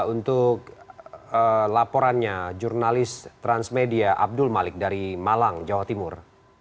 untuk laporannya jurnalis transmedia abdul malik dari malang jawa timur